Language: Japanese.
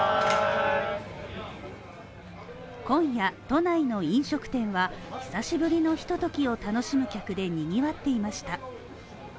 今夜、都内の飲食店は久しぶりのひとときを楽しむ客で賑わっていました。